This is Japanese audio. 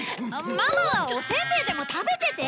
ママはおせんべいでも食べてて。